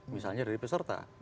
misalnya dari peserta